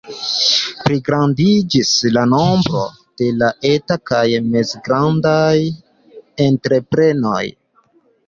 Pligrandiĝis la nombro de la etaj kaj mezgrandaj entreprenoj.